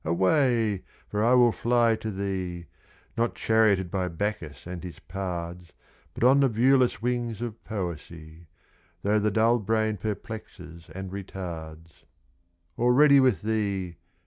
away! for I will fly to thee, Not charioted by Bacchus and his pards, But on the viewless wings of Poesy, Though the dull brain perplexes and retards: Already with thee!